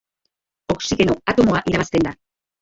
Oxigeno atomoa irabazten da.